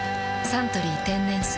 「サントリー天然水」